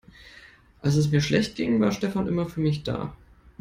Als es mir schlecht ging, war Stefan immer für mich da.